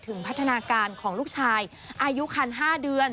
พัฒนาการของลูกชายอายุคัน๕เดือน